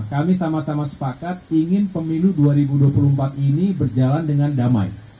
kami sama sama sepakat ingin pemilu dua ribu dua puluh empat ini berjalan dengan damai